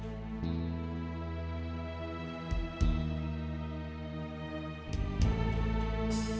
aku mau ke kamar dulu